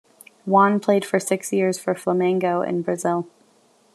Juan played for six years for Flamengo in Brazil.